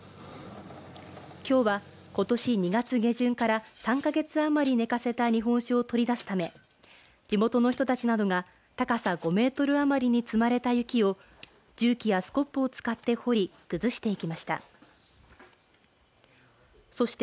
きょうは、ことし２月下旬から３か月余り寝かせた日本酒を取り出すため地元の人たちなどが高さ５メートル余りに積まれた雪を重機やスコップを使って掘りくずしていきました。